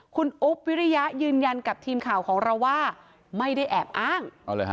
คุณอุ๊บวิริยะยืนยันกับทีมข่าวของเราว่าไม่ได้แอบอ้าง